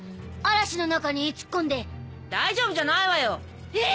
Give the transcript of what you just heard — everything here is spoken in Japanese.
嵐の中に突っ込んで大丈夫じゃないわよえ